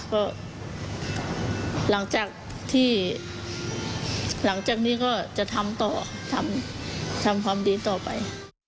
ก็หลังจากนี้ก็จะทำต่อทำความดีต่อไป